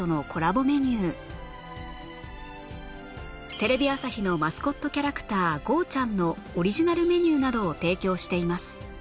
テレビ朝日のマスコットキャラクターゴーちゃん。のオリジナルメニューなどを提供しています